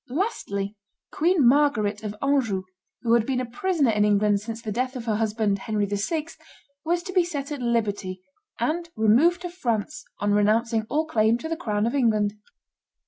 Lastly, Queen Margaret of Anjou, who had been a prisoner in England since the death of her husband, Henry VI., was to be set at liberty, and removed to France, on renouncing all claim to the crown of England.